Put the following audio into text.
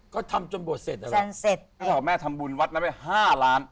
ก็ทำจนบวชเสร็จอะไรเสร็จนึกออกแม่ทำบุญวัดนั้นไปห้าล้าน